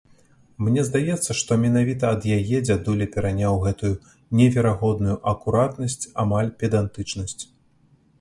Мне здаецца, што менавіта ад яе дзядуля пераняў гэтую неверагодную акуратнасць, амаль педантычнасць.